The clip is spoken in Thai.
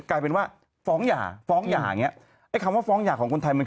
มันกลายเป็นว่าฟ้องหย่าฟ้องหย่าไอ้คำว่าฟ้องหย่าของคนไทยมัน